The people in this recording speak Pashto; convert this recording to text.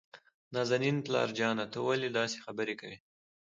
نازنين: پلار جانه ته ولې داسې خبرې کوي؟